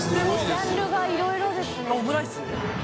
ジャンルがいろいろですね佐藤）